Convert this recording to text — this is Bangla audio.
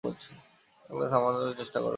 কাল আমাকে থামানোর, চেষ্টা করবে না।